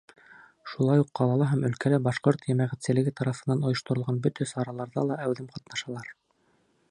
Шулай уҡ ҡалала һәм өлкәлә башҡорт йәмәғәтселеге тарафынан ойошторолған бөтә сараларҙа ла әүҙем ҡатнашалар.